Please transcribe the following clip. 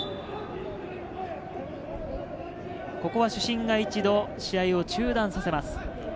ここは主審が一度試合を中断させます。